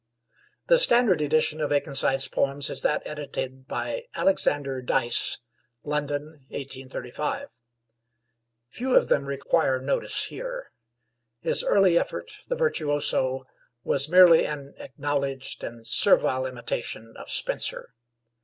The standard edition of Akenside's poems is that edited by Alexander Dyce (London, 1835). Few of them require notice here. His early effort, 'The Virtuoso,' was merely an acknowledged and servile imitation of Spenser.